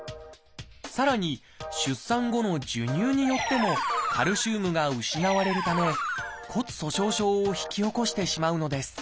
さらに出産後の授乳によってもカルシウムが失われるため骨粗しょう症を引き起こしてしまうのです。